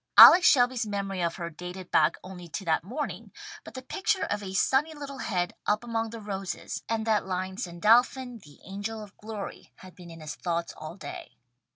Alex Shelby's memory of her dated back only to that morning, but the picture of a sunny little head up among the roses, and that line "Sandalphon the angel of glory" had been in his thoughts all day.